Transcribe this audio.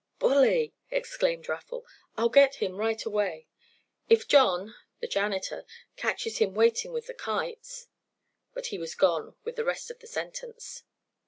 "Bully!" exclaimed Raffle. "I'll get him right away. If John—the janitor—catches him waiting with the kites—" But he was gone with the rest of the sentence.